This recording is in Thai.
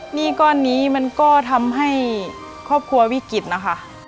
หนี้ก้อนนี้มันก็ทำให้ครอบครัววิกฤตนะคะ